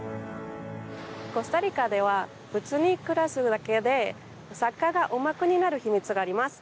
コスタリカでは普通に暮らすだけでサッカーがうまくになる秘密があります。